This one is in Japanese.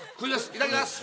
いただきます。